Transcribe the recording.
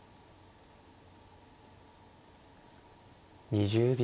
２０秒。